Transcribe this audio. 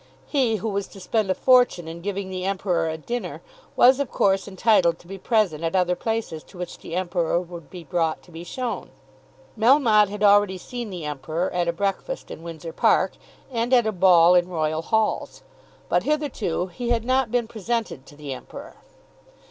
He, who was to spend a fortune in giving the Emperor a dinner, was of course entitled to be present at other places to which the Emperor would be brought to be shown. Melmotte had already seen the Emperor at a breakfast in Windsor Park, and at a ball in royal halls. But hitherto he had not been presented to the Emperor.